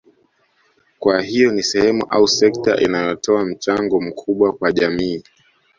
Kwa hiyo ni sehemu au sekta inayotoa mchango mkubwa kwa jamii